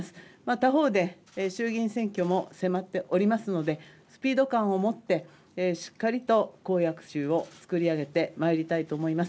他方で衆院選挙も迫っておりますのでスピード感をもってしっかりと公約数を作り上げてまいりたいと思います。